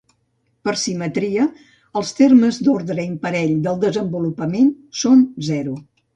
Per simetria, els termes d'ordre imparell del desenvolupament són zero.